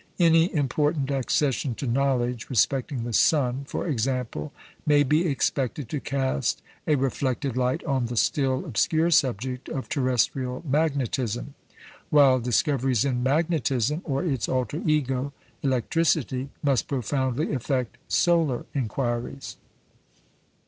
Any important accession to knowledge respecting the sun, for example, may be expected to cast a reflected light on the still obscure subject of terrestrial magnetism; while discoveries in magnetism or its alter ego electricity must profoundly affect solar inquiries.